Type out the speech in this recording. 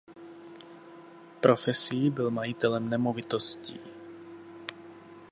Profesí byl majitelem nemovitostí.